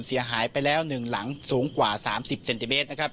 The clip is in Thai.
เสียหายไปแล้ว๑หลังสูงกว่า๓๐เซนติเมตรนะครับ